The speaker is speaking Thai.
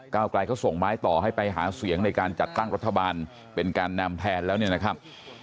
ไกลเขาส่งไม้ต่อให้ไปหาเสียงในการจัดตั้งรัฐบาลเป็นการนำแทนแล้วเนี่ยนะครับ